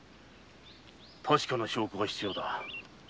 確かな証拠が必要だ。